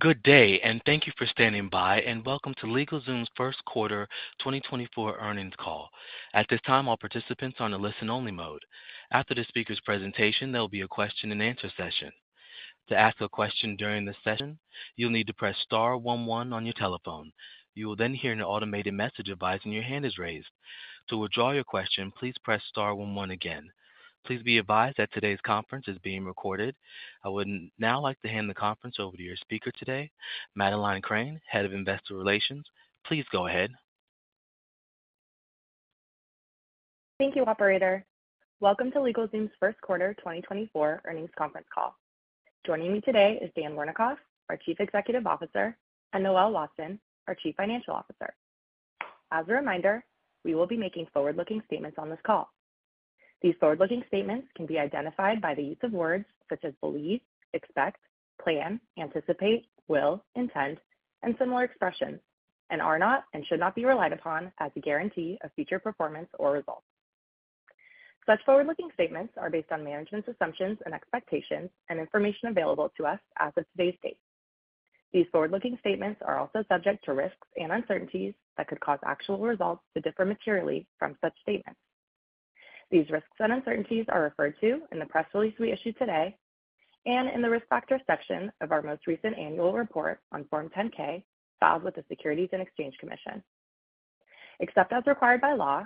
Good day, and thank you for standing by, and welcome to LegalZoom's First Quarter Earnings Call. At this time, all participants are on a listen only mode. After the speaker's presentation, there will be a question and answer session. To ask a question during this session, you'll need to press star one one on your telephone. You will then hear an automated message advising your hand is raised. To withdraw your question, please press star one one again. Please be advised that today's conference is being recorded. I would now like to hand the conference over to your speaker today, Madeleine Crane, Head of Investor Relations. Please go ahead. Thank you, operator. Welcome to LegalZoom's First Quarter 2024 Earnings Conference Call. Joining me today is Dan Wernikoff, our Chief Executive Officer, and Noel Watson, our Chief Financial Officer. As a reminder, we will be making forward-looking statements on this call. These forward-looking statements can be identified by the use of words such as believe, expect, plan, anticipate, will, intend, and similar expressions, and are not and should not be relied upon as a guarantee of future performance or results. Such forward-looking statements are based on management's assumptions and expectations and information available to us as of today's date. These forward-looking statements are also subject to risks and uncertainties that could cause actual results to differ materially from such statements. These risks and uncertainties are referred to in the press release we issued today and in the Risk Factors section of our most recent annual report on Form 10-K, filed with the Securities and Exchange Commission. Except as required by law,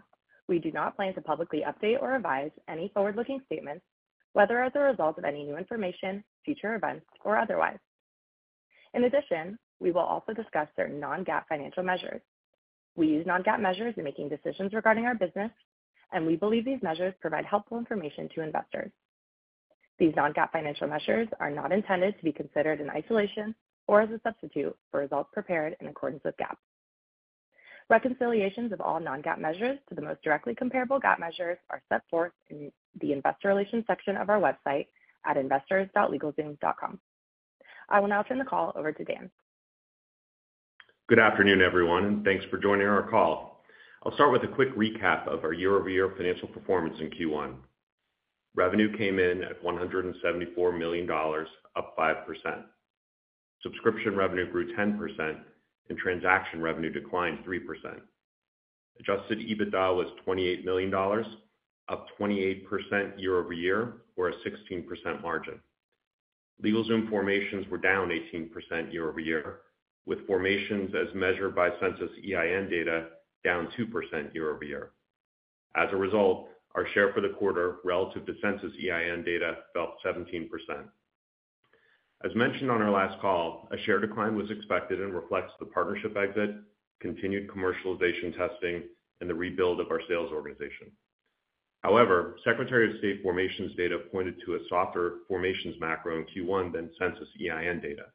we do not plan to publicly update or revise any forward-looking statements, whether as a result of any new information, future events, or otherwise. In addition, we will also discuss certain non-GAAP financial measures. We use non-GAAP measures in making decisions regarding our business, and we believe these measures provide helpful information to investors. These non-GAAP financial measures are not intended to be considered in isolation or as a substitute for results prepared in accordance with GAAP. Reconciliations of all non-GAAP measures to the most directly comparable GAAP measures are set forth in the Investor Relations section of our website at investors.legalzoom.com. I will now turn the call over to Dan. Good afternoon, everyone, and thanks for joining our call. I'll start with a quick recap of our year-over-year financial performance in Q1. Revenue came in at $174 million, up 5%. Subscription revenue grew 10%, and transaction revenue declined 3%. Adjusted EBITDA was $28 million, up 28% year over year, or a 16% margin. LegalZoom formations were down 18% year over year, with formations as measured by Census EIN data down 2% year over year. As a result, our share for the quarter relative to Census EIN data fell 17%. As mentioned on our last call, a share decline was expected and reflects the partnership exit, continued commercialization testing, and the rebuild of our sales organization. However, Secretary of State formations data pointed to a softer formations macro in Q1 than Census EIN data.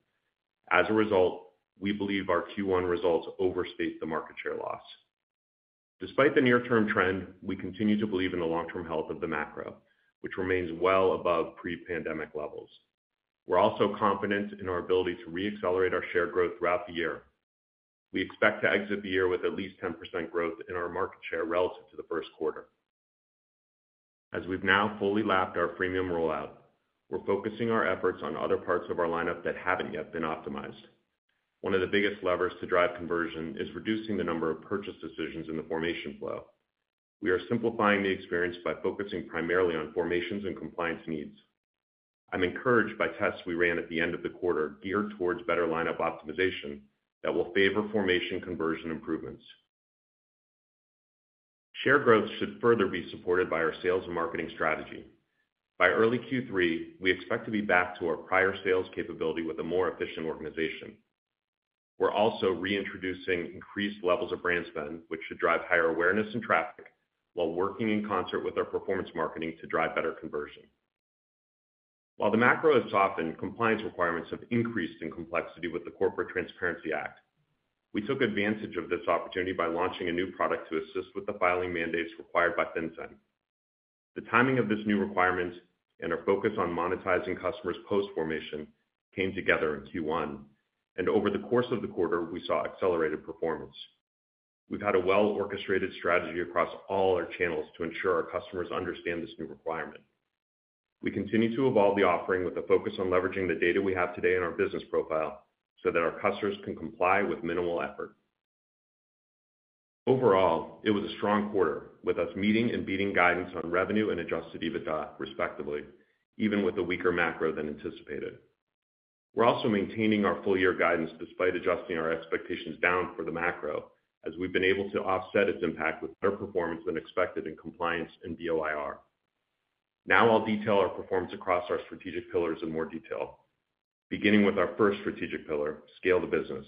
As a result, we believe our Q1 results overstate the market share loss. Despite the near term trend, we continue to believe in the long-term health of the macro, which remains well above pre-pandemic levels. We're also confident in our ability to re-accelerate our share growth throughout the year. We expect to exit the year with at least 10% growth in our market share relative to the first quarter. As we've now fully lapped our premium rollout, we're focusing our efforts on other parts of our lineup that haven't yet been optimized. One of the biggest levers to drive conversion is reducing the number of purchase decisions in the formation flow. We are simplifying the experience by focusing primarily on formations and compliance needs. I'm encouraged by tests we ran at the end of the quarter geared towards better lineup optimization that will favor formation conversion improvements. Share growth should further be supported by our sales and marketing strategy. By early Q3, we expect to be back to our prior sales capability with a more efficient organization. We're also reintroducing increased levels of brand spend, which should drive higher awareness and traffic, while working in concert with our performance marketing to drive better conversion. While the macro has softened, compliance requirements have increased in complexity with the Corporate Transparency Act. We took advantage of this opportunity by launching a new product to assist with the filing mandates required by FinCEN. The timing of this new requirement and our focus on monetizing customers post-formation came together in Q1, and over the course of the quarter, we saw accelerated performance. We've had a well-orchestrated strategy across all our channels to ensure our customers understand this new requirement. We continue to evolve the offering with a focus on leveraging the data we have today in our business profile, so that our customers can comply with minimal effort. Overall, it was a strong quarter, with us meeting and beating guidance on revenue and Adjusted EBITDA, respectively, even with a weaker macro than anticipated. We're also maintaining our full year guidance despite adjusting our expectations down for the macro, as we've been able to offset its impact with better performance than expected in compliance and BOIR. Now I'll detail our performance across our strategic pillars in more detail. Beginning with our first strategic pillar, scale the business.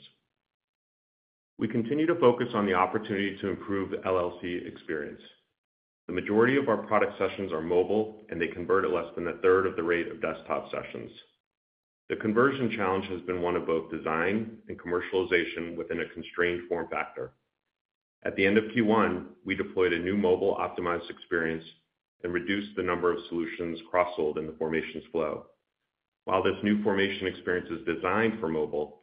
We continue to focus on the opportunity to improve the LLC experience. The majority of our product sessions are mobile, and they convert at less than a third of the rate of desktop sessions. The conversion challenge has been one of both design and commercialization within a constrained form factor. At the end of Q1, we deployed a new mobile-optimized experience and reduced the number of solutions cross-sold in the formations flow. While this new formation experience is designed for mobile,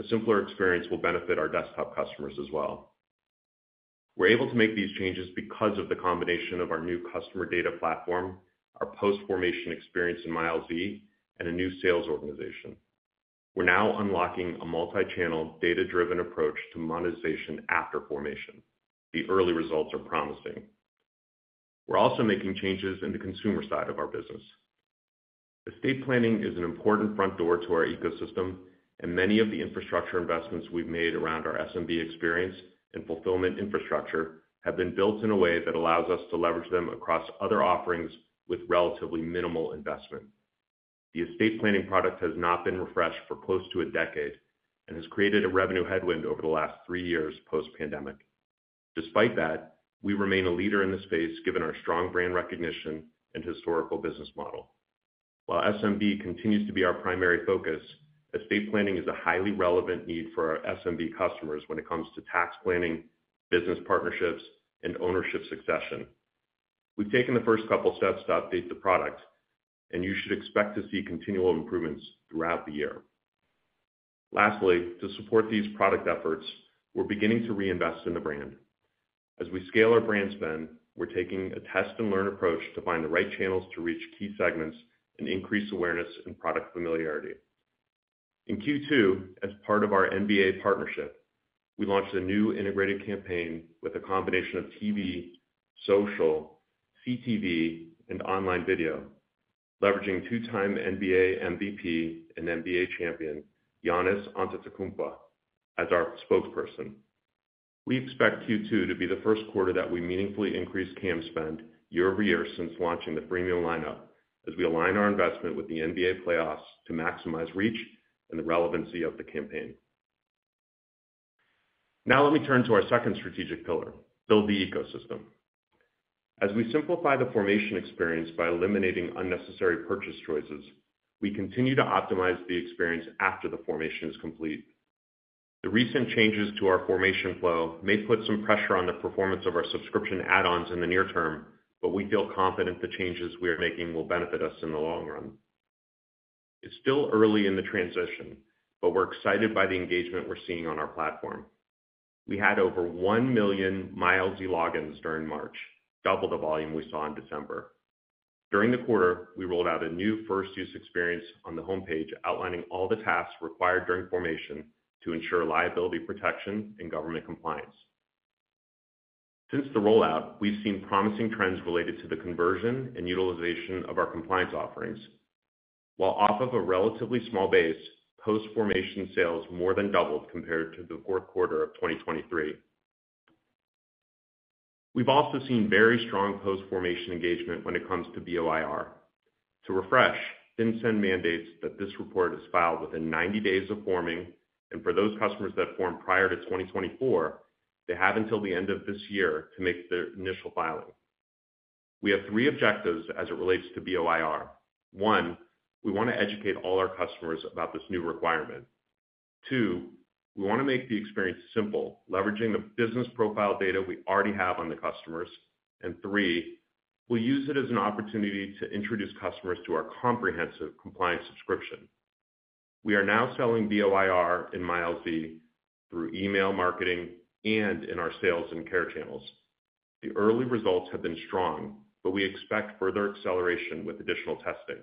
a simpler experience will benefit our desktop customers as well....We're able to make these changes because of the combination of our new customer data platform, our post-formation experience in MyLZ, and a new sales organization. We're now unlocking a multi-channel, data-driven approach to monetization after formation. The early results are promising. We're also making changes in the consumer side of our business. Estate planning is an important front door to our ecosystem, and many of the infrastructure investments we've made around our SMB experience and fulfillment infrastructure have been built in a way that allows us to leverage them across other offerings with relatively minimal investment. The estate planning product has not been refreshed for close to a decade and has created a revenue headwind over the last three years post-pandemic. Despite that, we remain a leader in the space, given our strong brand recognition and historical business model. While SMB continues to be our primary focus, estate planning is a highly relevant need for our SMB customers when it comes to tax planning, business partnerships, and ownership succession. We've taken the first couple steps to update the product, and you should expect to see continual improvements throughout the year. Lastly, to support these product efforts, we're beginning to reinvest in the brand. As we scale our brand spend, we're taking a test-and-learn approach to find the right channels to reach key segments and increase awareness and product familiarity. In Q2, as part of our NBA partnership, we launched a new integrated campaign with a combination of TV, social, CTV, and online video, leveraging two-time NBA MVP and NBA champion, Giannis Antetokounmpo, as our spokesperson. We expect Q2 to be the first quarter that we meaningfully increase CAM spend year-over-year since launching the freemium lineup, as we align our investment with the NBA playoffs to maximize reach and the relevancy of the campaign. Now let me turn to our second strategic pillar, build the ecosystem. As we simplify the formation experience by eliminating unnecessary purchase choices, we continue to optimize the experience after the formation is complete. The recent changes to our formation flow may put some pressure on the performance of our subscription add-ons in the near term, but we feel confident the changes we are making will benefit us in the long run. It's still early in the transition, but we're excited by the engagement we're seeing on our platform. We had over 1 million MyLZ logins during March, double the volume we saw in December. During the quarter, we rolled out a new first-use experience on the homepage, outlining all the tasks required during formation to ensure liability, protection, and government compliance. Since the rollout, we've seen promising trends related to the conversion and utilization of our compliance offerings. While off of a relatively small base, post-formation sales more than doubled compared to the fourth quarter of 2023. We've also seen very strong post-formation engagement when it comes to BOIR. To refresh, FinCEN mandates that this report is filed within 90 days of forming, and for those customers that formed prior to 2024, they have until the end of this year to make their initial filing. We have three objectives as it relates to BOIR. One, we want to educate all our customers about this new requirement. Two, we want to make the experience simple, leveraging the business profile data we already have on the customers. And three, we'll use it as an opportunity to introduce customers to our comprehensive compliance subscription. We are now selling BOIR in MyLZ through email marketing and in our sales and care channels. The early results have been strong, but we expect further acceleration with additional testing.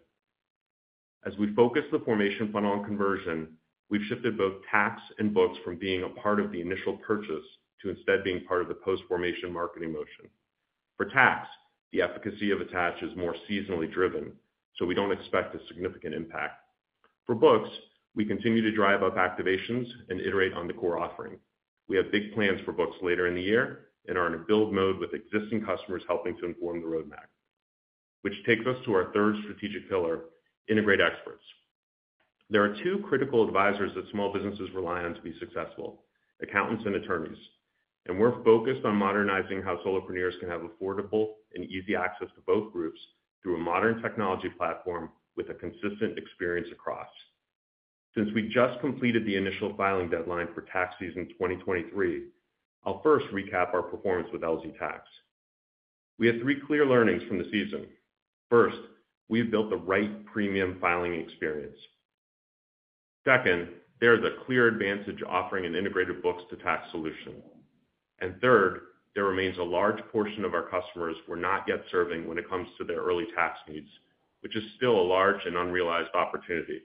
As we focus the formation funnel on conversion, we've shifted both tax and books from being a part of the initial purchase to instead being part of the post-formation marketing motion. For tax, the efficacy of attach is more seasonally driven, so we don't expect a significant impact. For books, we continue to drive up activations and iterate on the core offering. We have big plans for books later in the year and are in a build mode with existing customers helping to inform the roadmap, which takes us to our third strategic pillar, integrate experts. There are two critical advisors that small businesses rely on to be successful, accountants and attorneys, and we're focused on modernizing how solopreneurs can have affordable and easy access to both groups through a modern technology platform with a consistent experience across. Since we just completed the initial filing deadline for tax season 2023, I'll first recap our performance with LZ Tax. We had three clear learnings from the season. First, we've built the right premium filing experience. Second, there is a clear advantage offering an integrated books to tax solution. And third, there remains a large portion of our customers we're not yet serving when it comes to their early tax needs, which is still a large and unrealized opportunity.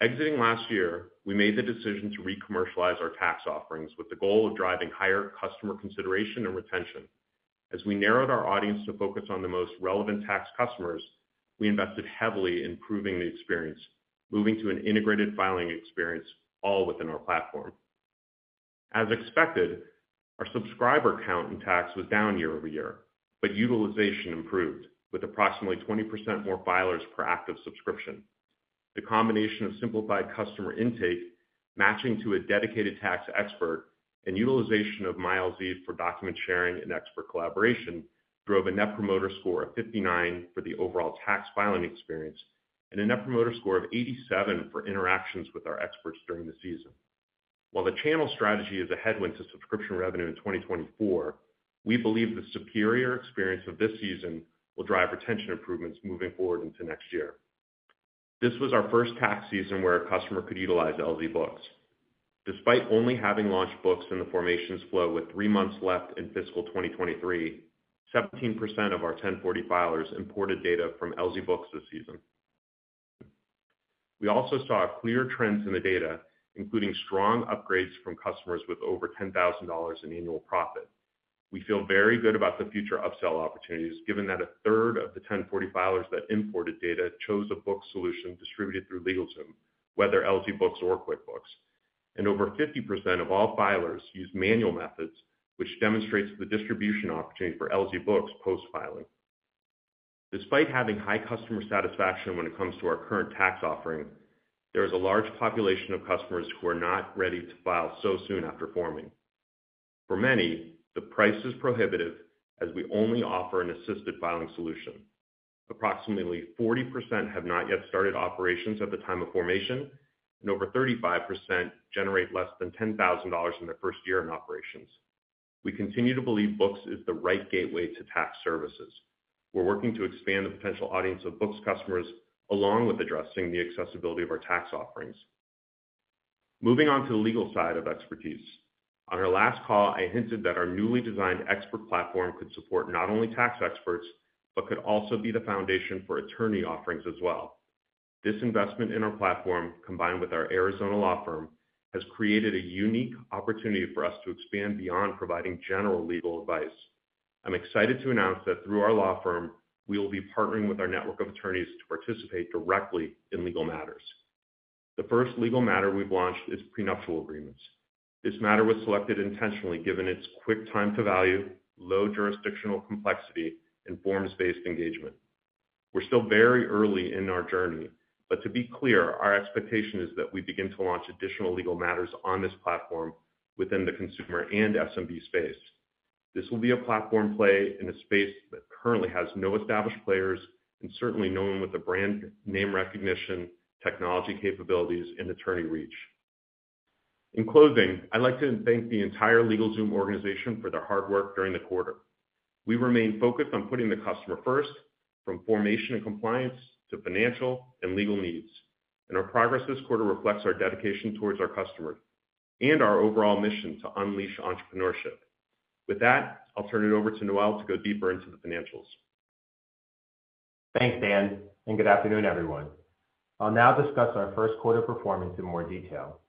Exiting last year, we made the decision to re-commercialize our tax offerings with the goal of driving higher customer consideration and retention. As we narrowed our audience to focus on the most relevant tax customers, we invested heavily in improving the experience, moving to an integrated filing experience all within our platform. As expected, our subscriber count in tax was down year over year, but utilization improved, with approximately 20% more filers per active subscription. The combination of simplified customer intake, matching to a dedicated tax expert, and utilization of MyLZ for document sharing and expert collaboration, drove a net promoter score of 59 for the overall tax filing experience and a Net Promoter Score of 87 for interactions with our experts during the season. While the channel strategy is a headwind to subscription revenue in 2024, we believe the superior experience of this season will drive retention improvements moving forward into next year. This was our first tax season where a customer could utilize LZ Books. Despite only having launched Books in the formations flow with three months left in fiscal 2023, 17% of our 1040 filers imported data from LZ Books this season. We also saw clear trends in the data, including strong upgrades from customers with over $10,000 in annual profit. We feel very good about the future upsell opportunities, given that a third of the 1040 filers that imported data chose a book solution distributed through LegalZoom, whether LZ Books or QuickBooks. Over 50% of all filers use manual methods, which demonstrates the distribution opportunity for LZ Books post-filing. Despite having high customer satisfaction when it comes to our current tax offering, there is a large population of customers who are not ready to file so soon after forming. For many, the price is prohibitive as we only offer an assisted filing solution. Approximately 40% have not yet started operations at the time of formation, and over 35% generate less than $10,000 in their first year in operations. We continue to believe Books is the right gateway to tax services. We're working to expand the potential audience of Books customers, along with addressing the accessibility of our tax offerings. Moving on to the legal side of expertise. On our last call, I hinted that our newly designed expert platform could support not only tax experts, but could also be the foundation for attorney offerings as well. This investment in our platform, combined with our Arizona law firm, has created a unique opportunity for us to expand beyond providing general legal advice. I'm excited to announce that through our law firm, we will be partnering with our network of attorneys to participate directly in legal matters. The first legal matter we've launched is prenuptial agreements. This matter was selected intentionally, given its quick time to value, low jurisdictional complexity, and forms-based engagement. We're still very early in our journey, but to be clear, our expectation is that we begin to launch additional legal matters on this platform within the consumer and SMB space. This will be a platform play in a space that currently has no established players, and certainly no one with the brand name recognition, technology capabilities, and attorney reach. In closing, I'd like to thank the entire LegalZoom organization for their hard work during the quarter. We remain focused on putting the customer first, from formation and compliance to financial and legal needs, and our progress this quarter reflects our dedication towards our customers and our overall mission to unleash entrepreneurship. With that, I'll turn it over to Noel to go deeper into the financials. Thanks, Dan, and good afternoon, everyone. I'll now discuss our first quarter performance in more detail.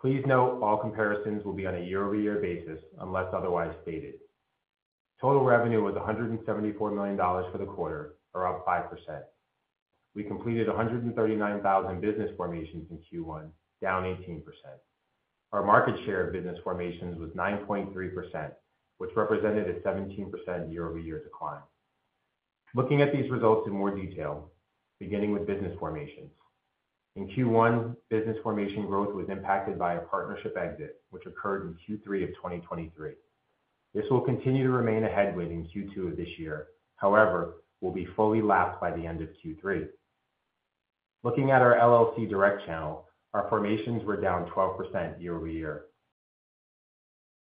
Please note, all comparisons will be on a year-over-year basis, unless otherwise stated. Total revenue was $174 million for the quarter, or up 5%. We completed 139,000 business formations in Q1, down 18%. Our market share of business formations was 9.3%, which represented a 17% year-over-year decline. Looking at these results in more detail, beginning with business formations. In Q1, business formation growth was impacted by a partnership exit, which occurred in Q3 of 2023. This will continue to remain a headwind in Q2 of this year, however, will be fully lapped by the end of Q3. Looking at our LLC direct channel, our formations were down 12% year-over-year.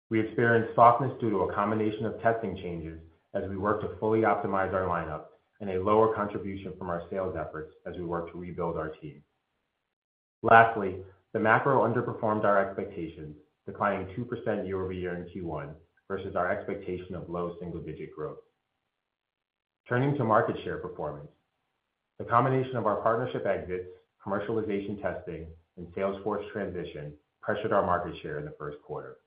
We experienced softness due to a combination of testing changes as we work to fully optimize our lineup and a lower contribution from our sales efforts as we work to rebuild our team. Lastly, the macro underperformed our expectations, declining 2% year-over-year in Q1 versus our expectation of low single digit growth. Turning to market share performance. The combination of our partnership exits, commercialization testing, and sales force transition pressured our market share in the first quarter.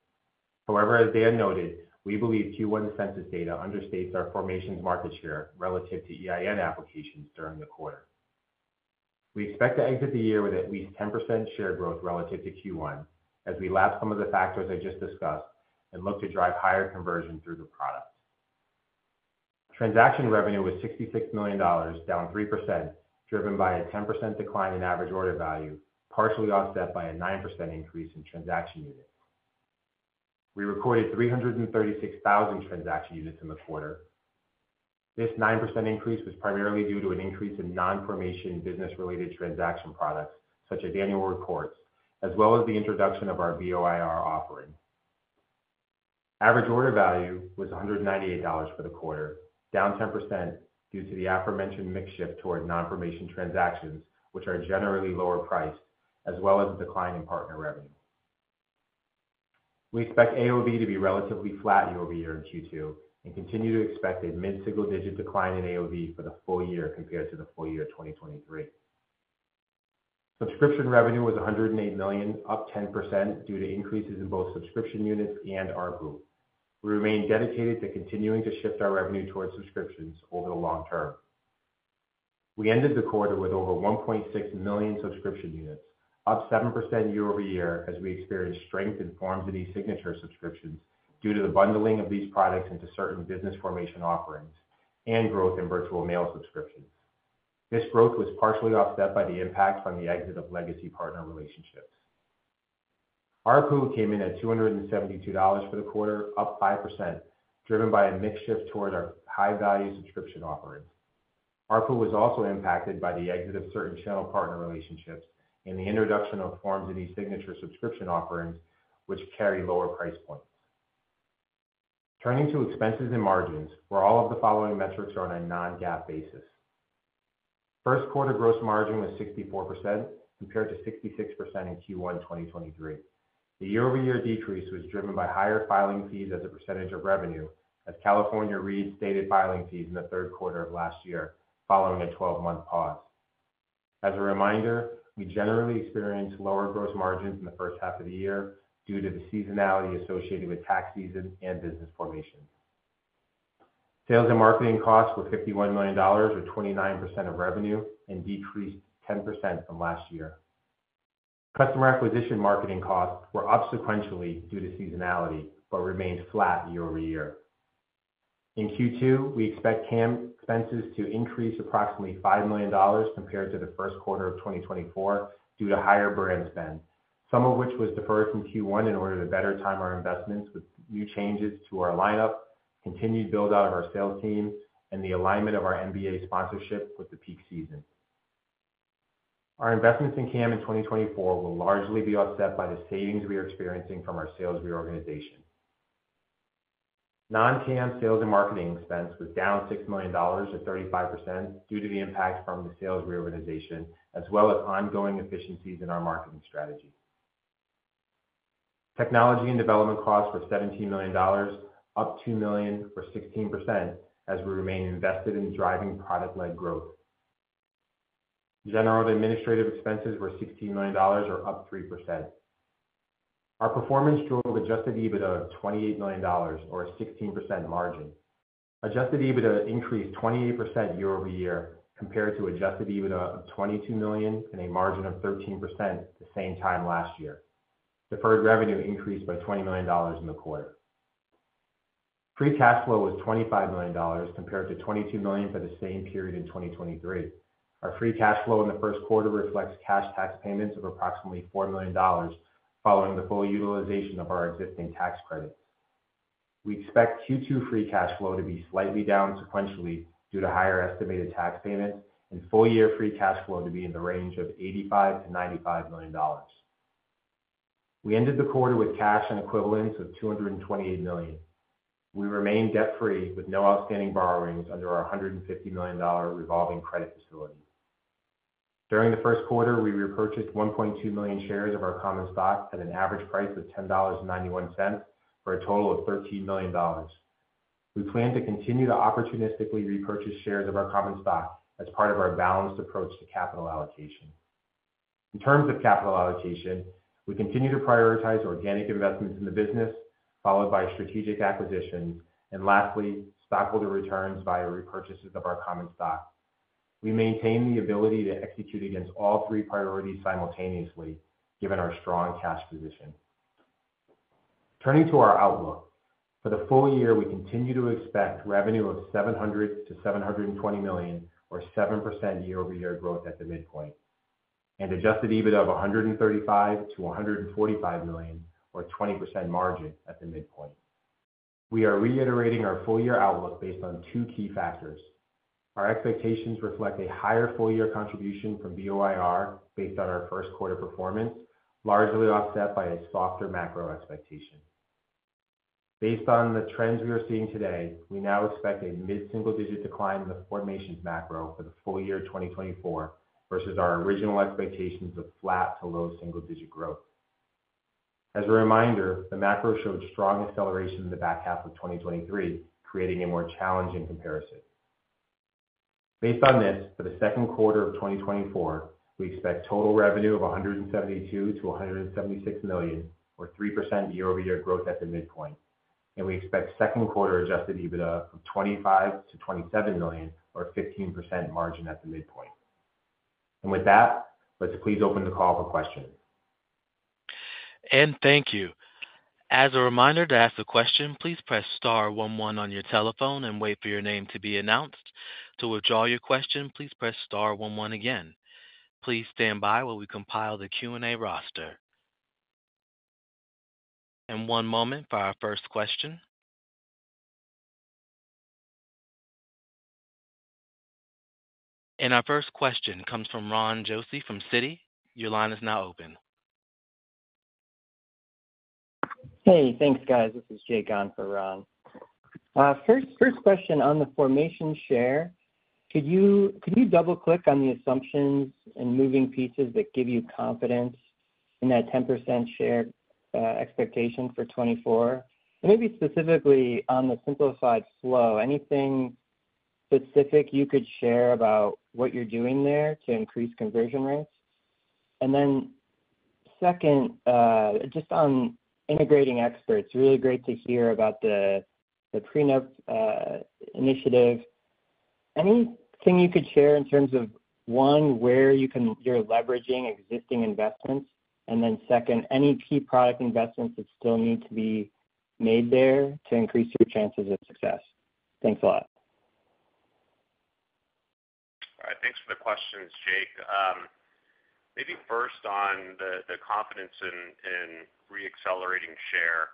However, as Dan noted, we believe Q1 census data understates our formations market share relative to EIN applications during the quarter. We expect to exit the year with at least 10% share growth relative to Q1 as we lap some of the factors I just discussed and look to drive higher conversion through the product. Transaction revenue was $66 million, down 3%, driven by a 10% decline in average order value, partially offset by a 9% increase in transaction units. We recorded 336,000 transaction units in the quarter. This 9% increase was primarily due to an increase in non-formation business-related transaction products, such as annual reports, as well as the introduction of our BOIR offering. Average order value was $198 for the quarter, down 10% due to the aforementioned mix shift toward non-formation transactions, which are generally lower priced, as well as a decline in partner revenue. We expect AOV to be relatively flat year over year in Q2, and continue to expect a mid-single digit decline in AOV for the full year compared to the full year 2023. Subscription revenue was $108 million, up 10% due to increases in both subscription units and ARPU. We remain dedicated to continuing to shift our revenue towards subscriptions over the long term. We ended the quarter with over 1.6 million subscription units, up 7% year-over-year, as we experienced strength in eSignature subscriptions due to the bundling of these products into certain business formation offerings and growth in virtual mail subscriptions. This growth was partially offset by the impact from the exit of legacy partner relationships. ARPU came in at $272 for the quarter, up 5%, driven by a mix shift toward our high-value subscription offerings. ARPU was also impacted by the exit of certain channel partner relationships and the introduction of eSignature subscription offerings, which carry lower price points.... Turning to expenses and margins, where all of the following metrics are on a non-GAAP basis. First quarter gross margin was 64%, compared to 66% in Q1 2023. The year-over-year decrease was driven by higher filing fees as a percentage of revenue, as California restated filing fees in the third quarter of last year, following a 12-month pause. As a reminder, we generally experience lower gross margins in the first half of the year due to the seasonality associated with tax season and business formation. Sales and marketing costs were $51 million, or 29% of revenue, and decreased 10% from last year. Customer acquisition marketing costs were up sequentially due to seasonality, but remained flat year-over-year. In Q2, we expect CAM expenses to increase approximately $5 million compared to the first quarter of 2024, due to higher brand spend, some of which was deferred from Q1 in order to better time our investments with new changes to our lineup, continued build-out of our sales team, and the alignment of our NBA sponsorship with the peak season. Our investments in CAM in 2024 will largely be offset by the savings we are experiencing from our sales reorganization. Non-CAM sales and marketing expense was down $6 million, or 35%, due to the impact from the sales reorganization, as well as ongoing efficiencies in our marketing strategy. Technology and development costs were $17 million, up $2 million, or 16%, as we remain invested in driving product-led growth. General and administrative expenses were $16 million, or up 3%. Our performance drove adjusted EBITDA of $28 million, or a 16% margin. Adjusted EBITDA increased 28% year-over-year, compared to adjusted EBITDA of $22 million and a margin of 13% the same time last year. Deferred revenue increased by $20 million in the quarter. Free cash flow was $25 million, compared to $22 million for the same period in 2023. Our free cash flow in the first quarter reflects cash tax payments of approximately $4 million, following the full utilization of our existing tax credits. We expect Q2 free cash flow to be slightly down sequentially due to higher estimated tax payments and full year free cash flow to be in the range of $85 million-$95 million. We ended the quarter with cash and equivalents of $228 million. We remain debt free, with no outstanding borrowings under our $150 million revolving credit facility. During the first quarter, we repurchased 1.2 million shares of our common stock at an average price of $10.91, for a total of $13 million. We plan to continue to opportunistically repurchase shares of our common stock as part of our balanced approach to capital allocation. In terms of capital allocation, we continue to prioritize organic investments in the business, followed by strategic acquisitions, and lastly, stockholder returns via repurchases of our common stock. We maintain the ability to execute against all three priorities simultaneously, given our strong cash position. Turning to our outlook. For the full year, we continue to expect revenue of $700 million-$720 million, or 7% year-over-year growth at the midpoint, and adjusted EBITDA of $135 million-$145 million, or 20% margin at the midpoint. We are reiterating our full year outlook based on two key factors. Our expectations reflect a higher full year contribution from BOIR based on our first quarter performance, largely offset by a softer macro expectation. Based on the trends we are seeing today, we now expect a mid-single digit decline in the formations macro for the full year 2024, versus our original expectations of flat to low single digit growth. As a reminder, the macro showed strong acceleration in the back half of 2023, creating a more challenging comparison. Based on this, for the second quarter of 2024, we expect total revenue of $172 million-$176 million, or 3% year-over-year growth at the midpoint, and we expect second quarter Adjusted EBITDA of $25 million-$27 million, or 15% margin at the midpoint. With that, let's please open the call for questions. Thank you. As a reminder, to ask a question, please press star one one on your telephone and wait for your name to be announced. To withdraw your question, please press star one one again. Please stand by while we compile the Q&A roster. One moment for our first question. Our first question comes from Ron Josey from Citi. Your line is now open. Hey, thanks, guys. This is Jake on for Ron. First question on the formation share. Could you double click on the assumptions and moving pieces that give you confidence in that 10% share expectation for 2024? And maybe specifically on the simplified flow, anything specific you could share about what you're doing there to increase conversion rates? And then second, just on integrating experts, really great to hear about the prenup initiative. Anything you could share in terms of, one, where you're leveraging existing investments? And then second, any key product investments that still need to be made there to increase your chances of success? Thanks a lot. All right, thanks for the questions, Jake. Maybe first on the confidence in reaccelerating share.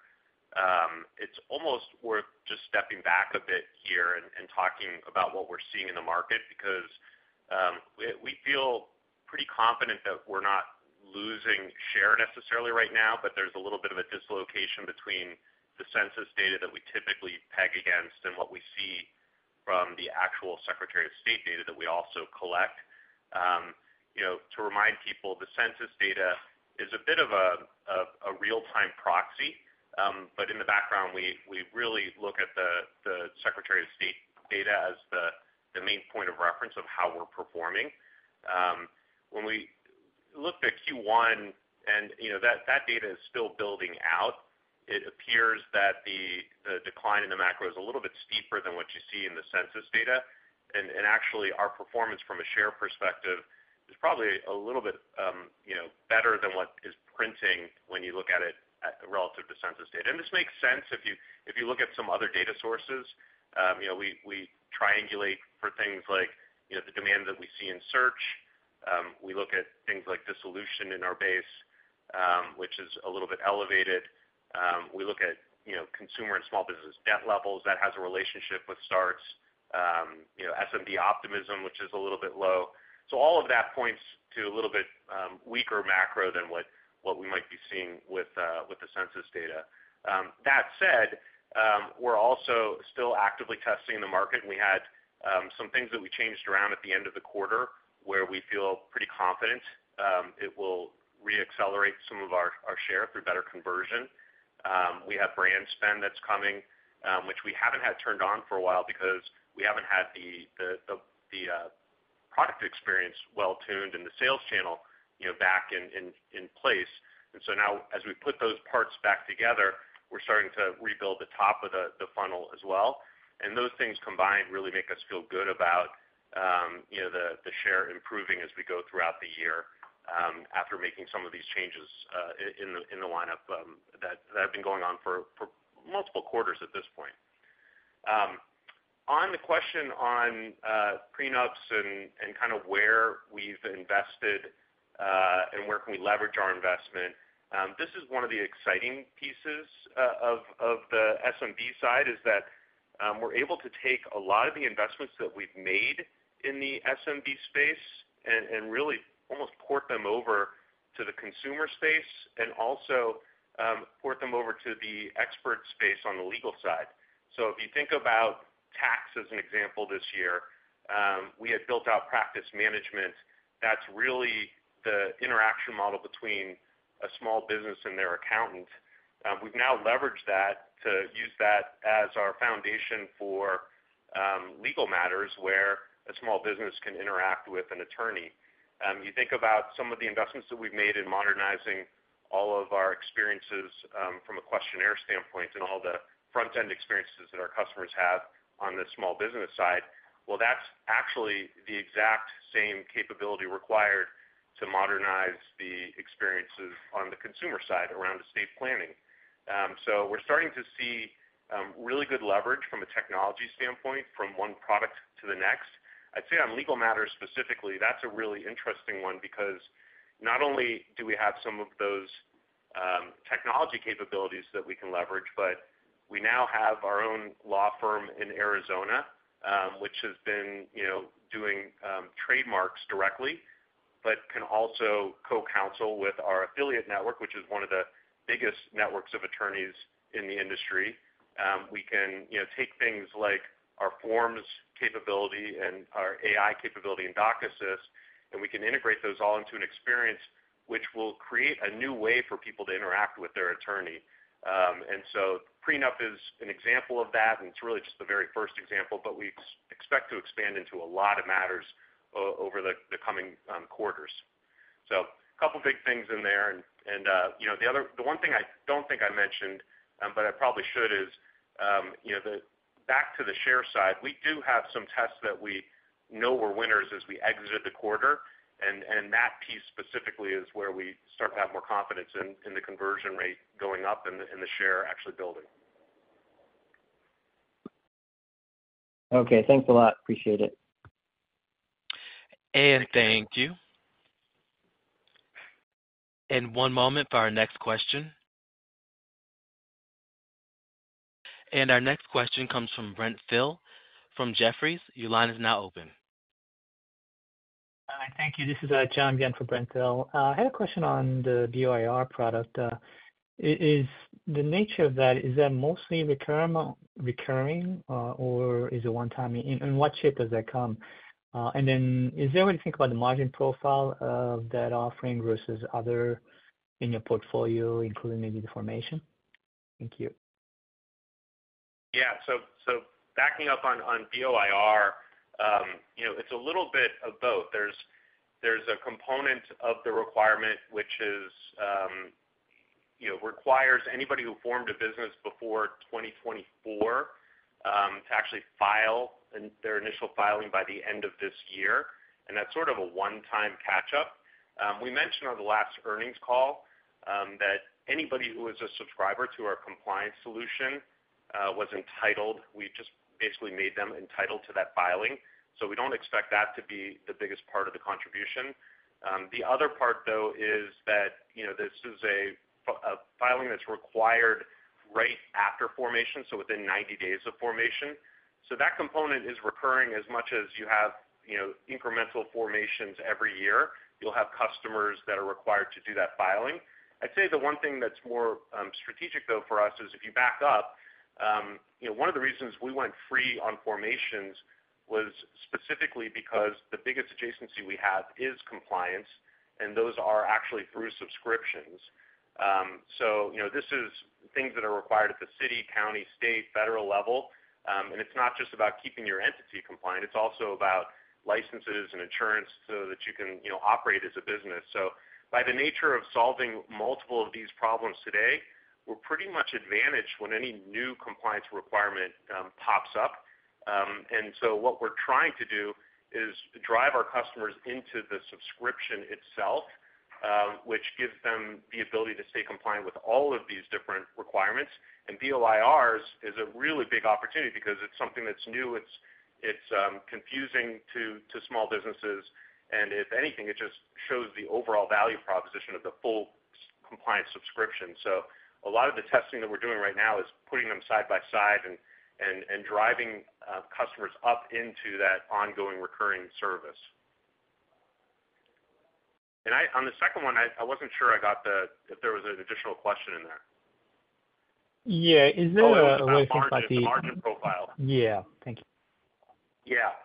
It's almost worth just stepping back a bit here and talking about what we're seeing in the market, because we feel pretty confident that we're not losing share necessarily right now, but there's a little bit of a dislocation between the census data that we typically peg against and what we see from the actual Secretary of State data that we also collect. You know, to remind people, the census data is a bit of a real-time proxy, but in the background, we really look at the Secretary of State data as the main point of reference of how we're performing. When we looked at Q1 and, you know, that data is still building out, it appears that the decline in the macro is a little bit steeper than what you see in the census data. Actually, our performance from a share perspective is probably a little bit, you know, better than what is printing when you look at it relative to census data. And this makes sense if you look at some other data sources, you know, we triangulate for things like, you know, the demand that we see in search. We look at things like dissolution in our base, which is a little bit elevated. We look at, you know, consumer and small business debt levels. That has a relationship with starts. You know, SMB optimism, which is a little bit low. So all of that points to a little bit weaker macro than what we might be seeing with the census data. That said, we're also still actively testing the market, and we had some things that we changed around at the end of the quarter, where we feel pretty confident it will reaccelerate some of our share through better conversion. We have brand spend that's coming, which we haven't had turned on for a while because we haven't had the product experience well-tuned and the sales channel, you know, back in place. And so now, as we put those parts back together, we're starting to rebuild the top of the funnel as well. And those things combined really make us feel good about, you know, the share improving as we go throughout the year, after making some of these changes, in the lineup, that have been going on for multiple quarters at this point. On the question on prenups and kind of where we've invested, and where can we leverage our investment, this is one of the exciting pieces of the SMB side, is that, we're able to take a lot of the investments that we've made in the SMB space and really almost port them over to the consumer space and also, port them over to the expert space on the legal side. So if you think about tax as an example this year, we had built out practice management. That's really the interaction model between a small business and their accountant. We've now leveraged that to use that as our foundation for legal matters, where a small business can interact with an attorney. You think about some of the investments that we've made in modernizing all of our experiences, from a questionnaire standpoint and all the front-end experiences that our customers have on the small business side. Well, that's actually the exact same capability required to modernize the experiences on the consumer side around estate planning. So we're starting to see really good leverage from a technology standpoint from one product to the next. I'd say on legal matters specifically, that's a really interesting one, because not only do we have some of those technology capabilities that we can leverage, but we now have our own law firm in Arizona, which has been, you know, doing trademarks directly, but can also co-counsel with our affiliate network, which is one of the biggest networks of attorneys in the industry. We can, you know, take things like our forms capability and our AI capability in DocAssist, and we can integrate those all into an experience which will create a new way for people to interact with their attorney. And so prenup is an example of that, and it's really just the very first example, but we expect to expand into a lot of matters over the coming quarters. So a couple big things in there, and you know, the other, the one thing I don't think I mentioned, but I probably should is, you know, the back to the share side, we do have some tests that we know were winners as we exit the quarter, and that piece specifically is where we start to have more confidence in the conversion rate going up and the share actually building. Okay, thanks a lot. Appreciate it. Thank you. One moment for our next question. Our next question comes from Brent Thill from Jefferies. Your line is now open. Hi, thank you. This is John again for Brent Thill. I had a question on the BOIR product. Is the nature of that mostly recurring or is it one time? In what shape does that come? And then, what do you think about the margin profile of that offering versus other in your portfolio, including maybe the formation? Thank you. Yeah. So backing up on BOIR, you know, it's a little bit of both. There's a component of the requirement, which is, you know, requires anybody who formed a business before 2024, to actually file in their initial filing by the end of this year, and that's sort of a one-time catch-up. We mentioned on the last earnings call, that anybody who is a subscriber to our compliance solution, was entitled. We just basically made them entitled to that filing, so we don't expect that to be the biggest part of the contribution. The other part, though, is that, you know, this is a filing that's required right after formation, so within 90 days of formation. So that component is recurring as much as you have, you know, incremental formations every year. You'll have customers that are required to do that filing. I'd say the one thing that's more strategic though for us is if you back up, you know, one of the reasons we went free on formations was specifically because the biggest adjacency we have is compliance, and those are actually through subscriptions. So, you know, this is things that are required at the city, county, state, federal level, and it's not just about keeping your entity compliant, it's also about licenses and insurance so that you can, you know, operate as a business. So by the nature of solving multiple of these problems today, we're pretty much advantaged when any new compliance requirement pops up. What we're trying to do is drive our customers into the subscription itself, which gives them the ability to stay compliant with all of these different requirements. BOIRs is a really big opportunity because it's something that's new, it's confusing to small businesses, and if anything, it just shows the overall value proposition of the full compliance subscription. A lot of the testing that we're doing right now is putting them side by side and driving customers up into that ongoing recurring service. On the second one, I wasn't sure I got the... If there was an additional question in there. Yeah, is there a way to think about the- The margin profile. Yeah. Thank you. Yeah.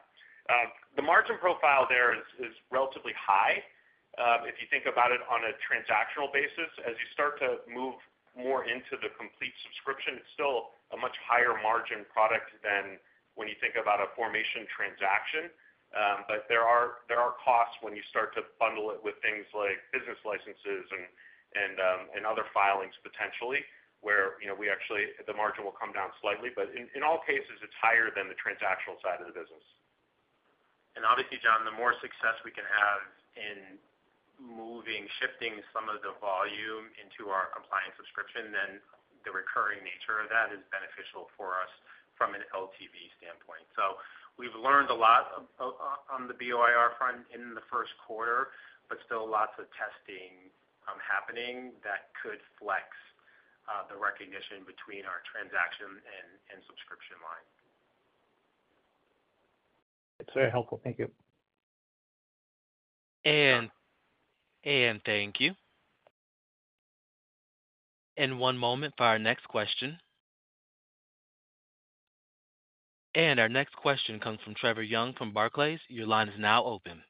The margin profile there is relatively high. If you think about it on a transactional basis, as you start to move more into the complete subscription, it's still a much higher margin product than when you think about a formation transaction. But there are costs when you start to bundle it with things like business licenses and other filings, potentially, where, you know, we actually—the margin will come down slightly, but in all cases, it's higher than the transactional side of the business. Obviously, John, the more success we can have in moving, shifting some of the volume into our compliance subscription, then the recurring nature of that is beneficial for us from an LTV standpoint. So we've learned a lot on the BOIR front in the first quarter, but still lots of testing happening that could flex the recognition between our transaction and subscription line. It's very helpful. Thank you. And thank you. One moment for our next question. Our next question comes from Trevor Young from Barclays. Your line is now open.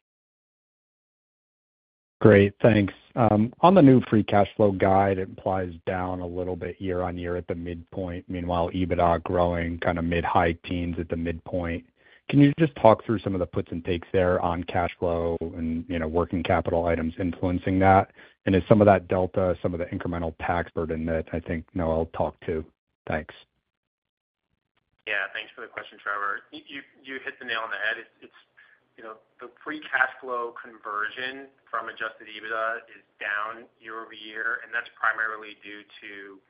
Great, thanks. On the new free cash flow guide, it implies down a little bit year-over-year at the midpoint, meanwhile, EBITDA growing kind of mid-high teens at the midpoint. Can you just talk through some of the puts and takes there on cash flow and, you know, working capital items influencing that? And is some of that delta, some of the incremental tax burden that I think Noel talked to? Thanks. Yeah, thanks for the question, Trevor. You hit the nail on the head. It's, you know, the free cash flow conversion from Adjusted EBITDA is down year-over-year, and that's primarily due to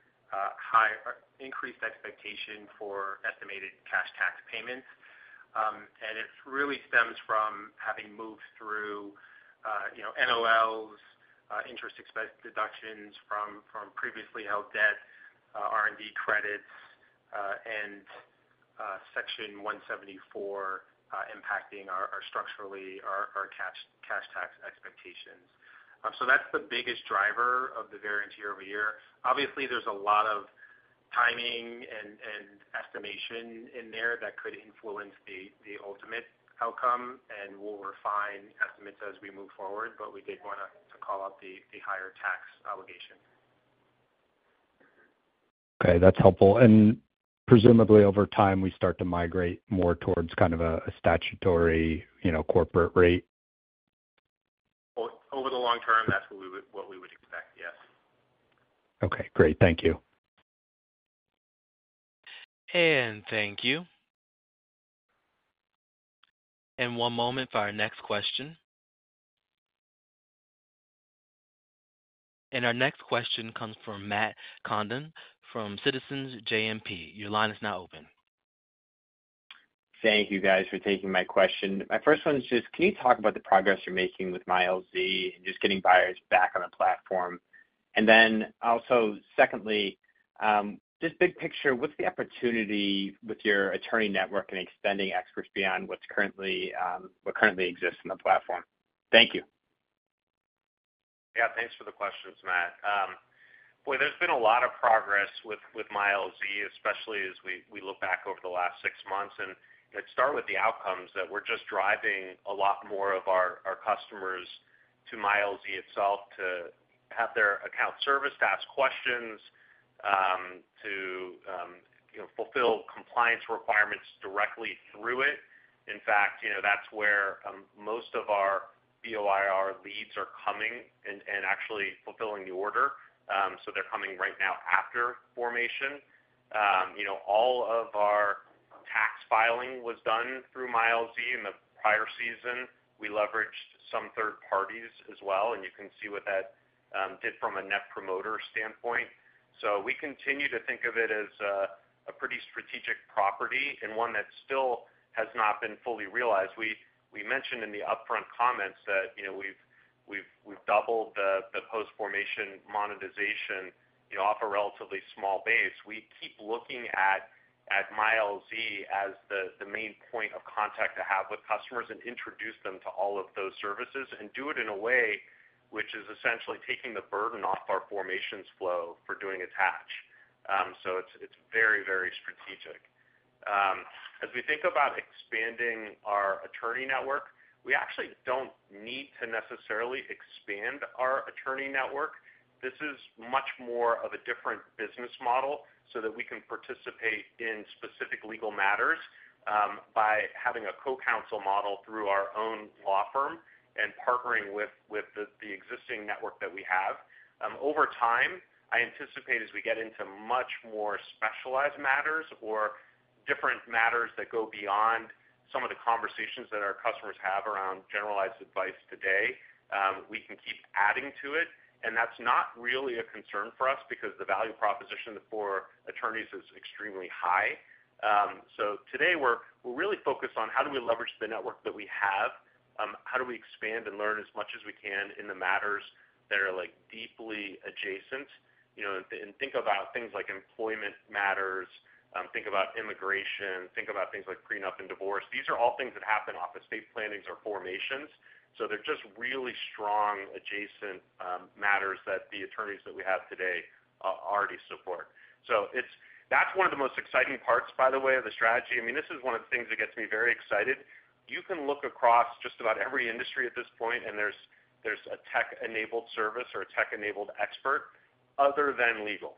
high- or increased expectation for estimated cash tax payments. And it really stems from having moved through, you know, NOLs, interest expense deductions from previously held debt, R&D credits, and Section 174, impacting our structurally, our cash tax expectations. So that's the biggest driver of the variance year-over-year. Obviously, there's a lot of timing and estimation in there that could influence the ultimate outcome, and we'll refine estimates as we move forward, but we did wanna to call out the higher tax obligation. Okay, that's helpful. Presumably, over time, we start to migrate more towards kind of a statutory, you know, corporate rate? Over the long term, that's what we would, what we would expect, yes. Okay, great. Thank you. Thank you. One moment for our next question. Our next question comes from Matt Condon from Citizens JMP. Your line is now open. Thank you guys for taking my question. My first one is just, can you talk about the progress you're making with MyLZ and just getting buyers back on the platform? And then also, secondly, just big picture, what's the opportunity with your attorney network and extending experts beyond what's currently, what currently exists in the platform? Thank you. Yeah, thanks for the questions, Matt. Well, there's been a lot of progress with MyLZ, especially as we look back over the last six months. And let's start with the outcomes that we're just driving a lot more of our customers to MyLZ itself to have their account serviced, to ask questions, you know, fulfill compliance requirements directly through it. In fact, you know, that's where most of our BOIR leads are coming and actually fulfilling the order. So they're coming right now after formation. You know, all of our tax filing was done through MyLZ. In the prior season, we leveraged some third parties as well, and you can see what that did from a net promoter standpoint.... So we continue to think of it as a pretty strategic property and one that still has not been fully realized. We mentioned in the upfront comments that, you know, we've doubled the post-formation monetization, you know, off a relatively small base. We keep looking at MyLZ as the main point of contact to have with customers and introduce them to all of those services and do it in a way which is essentially taking the burden off our formations flow for doing attach. So it's very strategic. As we think about expanding our attorney network, we actually don't need to necessarily expand our attorney network. This is much more of a different business model so that we can participate in specific legal matters, by having a co-counsel model through our own law firm and partnering with the existing network that we have. Over time, I anticipate as we get into much more specialized matters or different matters that go beyond some of the conversations that our customers have around generalized advice today, we can keep adding to it, and that's not really a concern for us because the value proposition for attorneys is extremely high. So today, we're really focused on how do we leverage the network that we have? How do we expand and learn as much as we can in the matters that are, like, deeply adjacent? You know, and think about things like employment matters, think about immigration, think about things like prenup and divorce. These are all things that happen off estate plannings or formations, so they're just really strong adjacent matters that the attorneys that we have today already support. So it's, that's one of the most exciting parts, by the way, of the strategy. I mean, this is one of the things that gets me very excited. You can look across just about every industry at this point, and there's a tech-enabled service or a tech-enabled expert other than legal,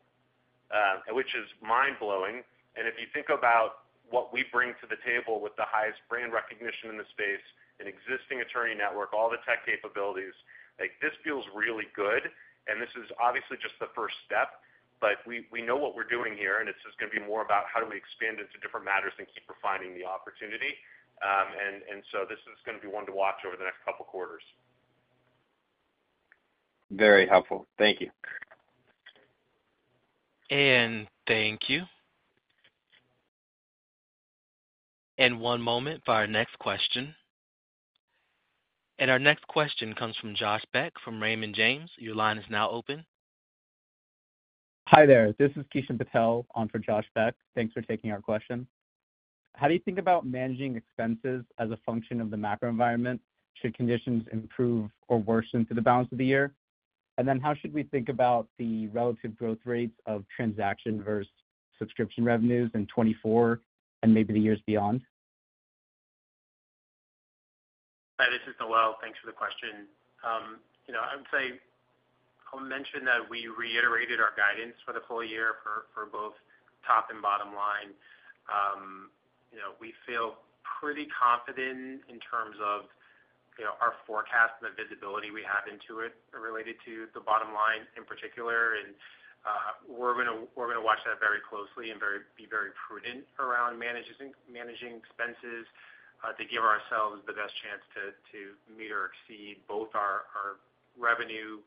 which is mind-blowing. And if you think about what we bring to the table with the highest brand recognition in the space, an existing attorney network, all the tech capabilities, like, this feels really good, and this is obviously just the first step, but we know what we're doing here, and it's just gonna be more about how do we expand into different matters and keep refining the opportunity. And so this is gonna be one to watch over the next couple quarters. Very helpful. Thank you. Thank you. One moment for our next question. Our next question comes from Josh Beck from Raymond James. Your line is now open. Hi there, this is Kishan Patel on for Josh Beck. Thanks for taking our question. How do you think about managing expenses as a function of the macro environment, should conditions improve or worsen through the balance of the year? And then how should we think about the relative growth rates of transaction versus subscription revenues in 2024 and maybe the years beyond? Hi, this is Noel. Thanks for the question. You know, I would say, I'll mention that we reiterated our guidance for the full year for both top and bottom line. You know, we feel pretty confident in terms of our forecast and the visibility we have into it related to the bottom line in particular. And we're gonna watch that very closely and be very prudent around managing expenses to give ourselves the best chance to meet or exceed both our revenue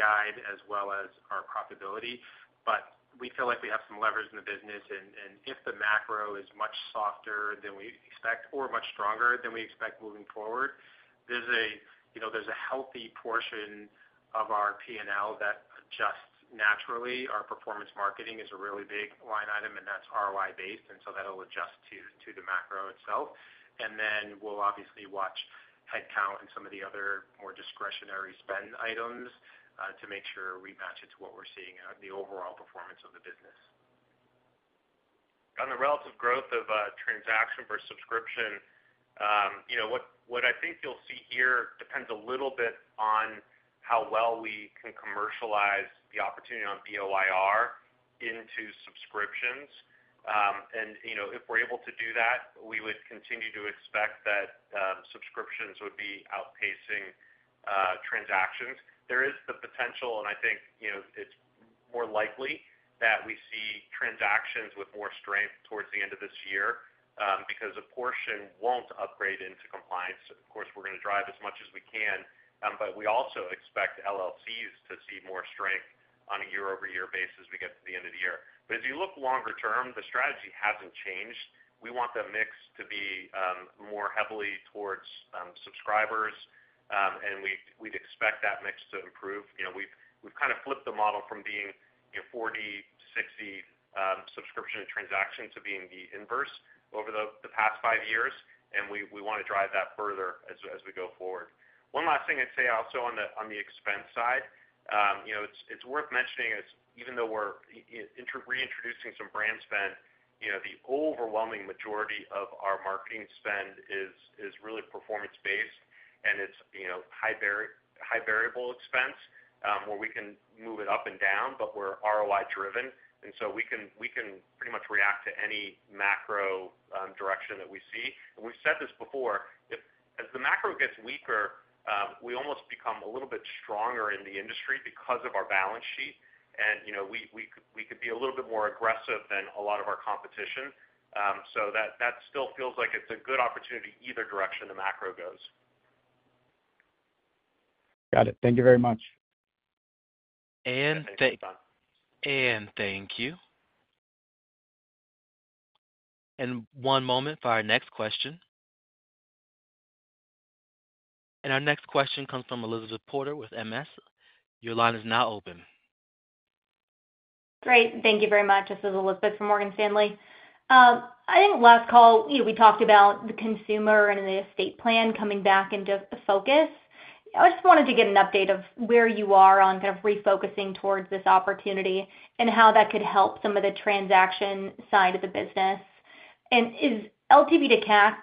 guide as well as our profitability. But we feel like we have some levers in the business, and if the macro is much softer than we expect or much stronger than we expect moving forward, there's a healthy portion of our P&L that adjusts naturally. Our performance marketing is a really big line item, and that's ROI-based, and so that'll adjust to the macro itself. And then we'll obviously watch headcount and some of the other more discretionary spend items to make sure we match it to what we're seeing on the overall performance of the business. On the relative growth of transaction versus subscription, you know, what I think you'll see here depends a little bit on how well we can commercialize the opportunity on BOIR into subscriptions. And, you know, if we're able to do that, we would continue to expect that subscriptions would be outpacing transactions. There is the potential, and I think, you know, it's more likely that we see transactions with more strength towards the end of this year because a portion won't upgrade into compliance. Of course, we're gonna drive as much as we can, but we also expect LLCs to see more strength on a year-over-year basis as we get to the end of the year. But as you look longer term, the strategy hasn't changed. We want the mix to be, more heavily towards, subscribers, and we, we'd expect that mix to improve. You know, we've, we've kind of flipped the model from being, you know, 40-60, subscription and transaction to being the inverse over the past five years, and we, we wanna drive that further as we, as we go forward. One last thing I'd say also on the, on the expense side, you know, it's, it's worth mentioning is even though we're reintroducing some brand spend, you know, the overwhelming majority of our marketing spend is, is really performance-based, and it's, you know, high variable expense, where we can move it up and down, but we're ROI-driven, and so we can, we can pretty much react to any macro, direction that we see. And we've said this before, as the macro gets weaker, we almost become a little bit stronger in the industry because of our balance sheet, and, you know, we, we, we could be a little bit more aggressive than a lot of our competition. So that, that still feels like it's a good opportunity either direction the macro goes.... Got it. Thank you very much. Thank you. One moment for our next question. Our next question comes from Elizabeth Porter with MS. Your line is now open. Great, thank you very much. This is Elizabeth from Morgan Stanley. I think last call, you know, we talked about the consumer and the estate plan coming back into focus. I just wanted to get an update of where you are on kind of refocusing towards this opportunity and how that could help some of the transaction side of the business. And is LTV to CAC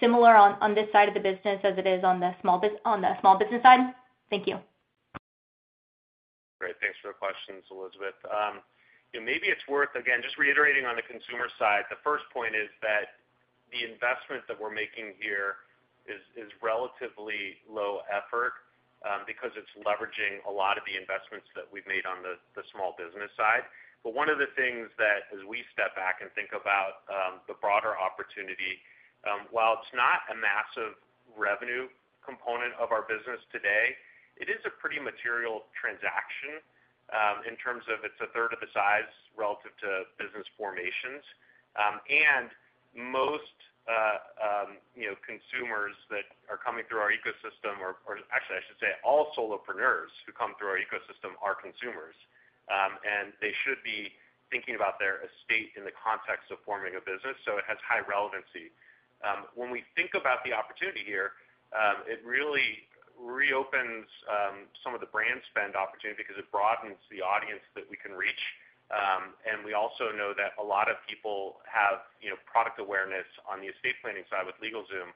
similar on this side of the business as it is on the small business side? Thank you. Great, thanks for the questions, Elizabeth. Yeah, maybe it's worth, again, just reiterating on the consumer side, the first point is that the investment that we're making here is, is relatively low effort, because it's leveraging a lot of the investments that we've made on the, the small business side. But one of the things that, as we step back and think about, the broader opportunity, while it's not a massive revenue component of our business today, it is a pretty material transaction, in terms of it's a third of the size relative to business formations. And most, you know, consumers that are coming through our ecosystem or, or actually I should say all solopreneurs who come through our ecosystem are consumers. And they should be thinking about their estate in the context of forming a business, so it has high relevancy. When we think about the opportunity here, it really reopens some of the brand spend opportunity because it broadens the audience that we can reach. And we also know that a lot of people have, you know, product awareness on the estate planning side with LegalZoom,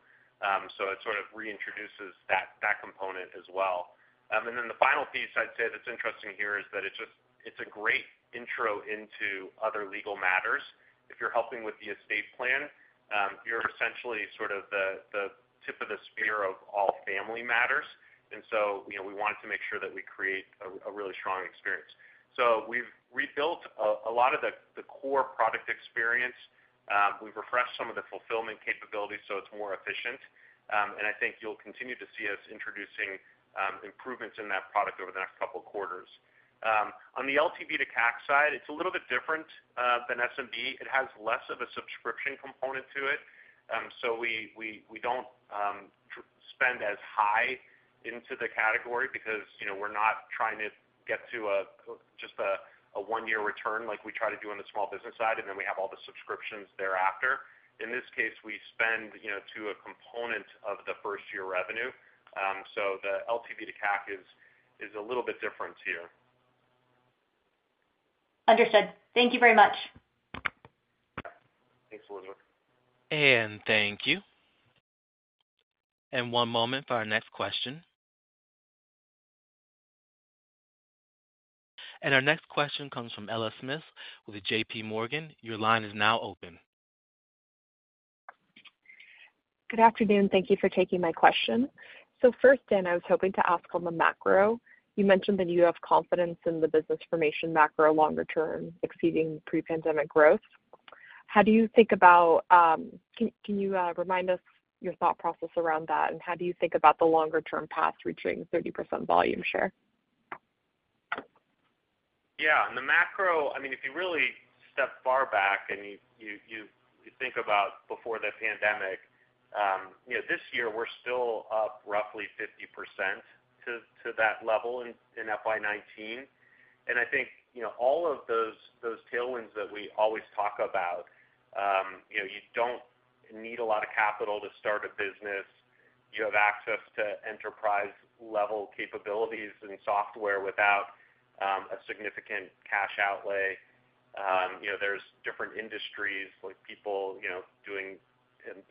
so it sort of reintroduces that, that component as well. And then the final piece I'd say that's interesting here is that it's just—it's a great intro into other legal matters. If you're helping with the estate plan, you're essentially sort of the, the tip of the spear of all family matters, and so, you know, we wanted to make sure that we create a, a really strong experience. So we've rebuilt a lot of the core product experience. We've refreshed some of the fulfillment capabilities, so it's more efficient. And I think you'll continue to see us introducing improvements in that product over the next couple quarters. On the LTV to CAC side, it's a little bit different than SMB. It has less of a subscription component to it. So we don't spend as high into the category because, you know, we're not trying to get to just a one-year return like we try to do on the small business side, and then we have all the subscriptions thereafter. In this case, we spend, you know, to a component of the first-year revenue. So the LTV to CAC is a little bit different here. Understood. Thank you very much. Thanks, Elizabeth. Thank you. One moment for our next question. Our next question comes from Ella Smith with J.P. Morgan. Your line is now open. Good afternoon. Thank you for taking my question. So first, Dan, I was hoping to ask on the macro. You mentioned that you have confidence in the business formation macro longer term, exceeding pre-pandemic growth. How do you think about, can you remind us your thought process around that, and how do you think about the longer term path reaching 30% volume share? Yeah, and the macro, I mean, if you really step far back and you think about before the pandemic, you know, this year we're still up roughly 50% to that level in FY 2019. And I think, you know, all of those tailwinds that we always talk about, you know, you don't need a lot of capital to start a business. You have access to enterprise-level capabilities and software without a significant cash outlay. You know, there's different industries like people doing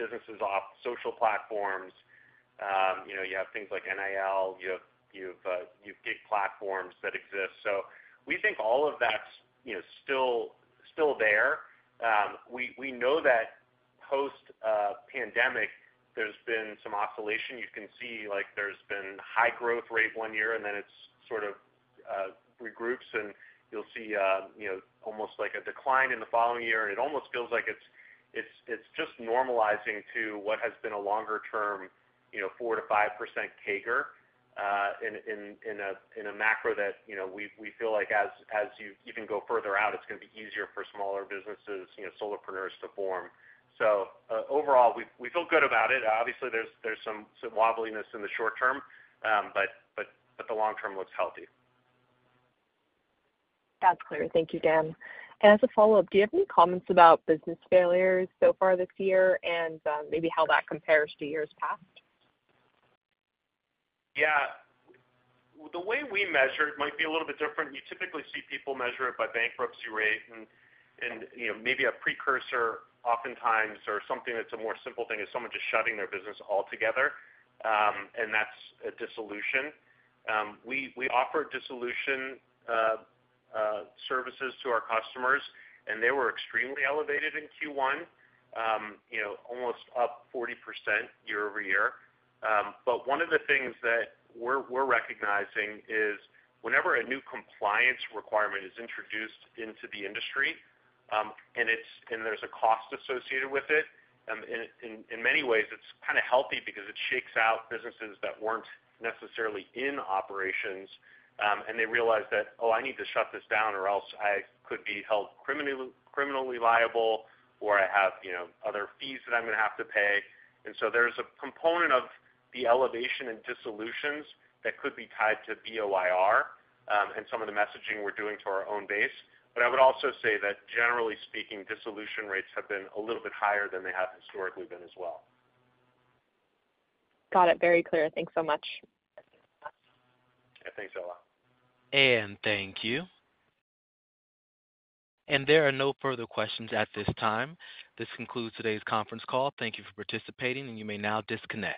businesses off social platforms. You know, you have things like NIL, you have gig platforms that exist. So we think all of that's, you know, still there. We know that post pandemic, there's been some oscillation. You can see, like, there's been high growth rate one year, and then it's sort of regroups, and you'll see, you know, almost like a decline in the following year. And it almost feels like it's just normalizing to what has been a longer term, you know, 4%-5% CAGR in a macro that, you know, we feel like as you even go further out, it's gonna be easier for smaller businesses, you know, solopreneurs to form. So overall, we feel good about it. Obviously, there's some wobbliness in the short term, but the long term looks healthy. That's clear. Thank you, Dan. As a follow-up, do you have any comments about business failures so far this year and maybe how that compares to years past? Yeah. The way we measure it might be a little bit different. You typically see people measure it by bankruptcy rate and you know, maybe a precursor oftentimes or something that's a more simple thing, is someone just shutting their business altogether, and that's a dissolution. We offer dissolution services to our customers, and they were extremely elevated in Q1, you know, almost up 40% year-over-year. But one of the things that we're recognizing is whenever a new compliance requirement is introduced into the industry, and there's a cost associated with it, in many ways, it's kind of healthy because it shakes out businesses that weren't necessarily in operations, and they realize that, "Oh, I need to shut this down, or else I could be held criminally liable, or I have, you know, other fees that I'm gonna have to pay." And so there's a component of the elevation in dissolutions that could be tied to BOIR, and some of the messaging we're doing to our own base. But I would also say that generally speaking, dissolution rates have been a little bit higher than they have historically been as well. Got it. Very clear. Thanks so much. Yeah, thanks, Ella. And thank you. And there are no further questions at this time. This concludes today's conference call. Thank you for participating, and you may now disconnect.